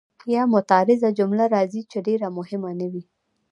یا معترضه جمله راځي چې ډېره مهمه نه وي.